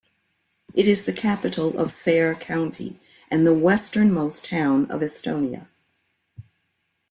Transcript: It is the capital of Saare County and the westernmost town in Estonia.